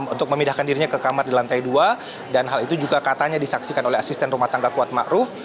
untuk memindahkan dirinya ke kamar di lantai dua dan hal itu juga katanya disaksikan oleh asisten rumah tangga kuat ⁇ maruf ⁇